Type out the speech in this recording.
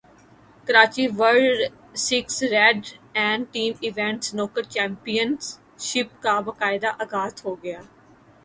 Karachi world six red and team event snooker championship کا باقاعدہ اغاز ہوگیا